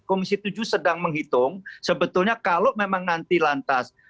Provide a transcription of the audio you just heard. komisi tujuh sedang menghitung sebetulnya kalau memang nanti lantas